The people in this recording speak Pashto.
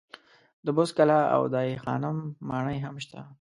د بست کلا او دای خانم ماڼۍ هم شته.